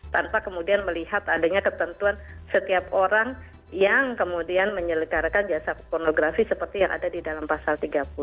tanpa kemudian melihat adanya ketentuan setiap orang yang kemudian menyelenggarakan jasa pornografi seperti yang ada di dalam pasal tiga puluh